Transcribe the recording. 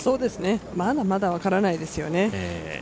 まだまだ分からないですよね。